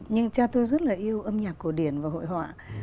nhưng cha tôi rất là yêu âm nhạc cổ điển và hội họa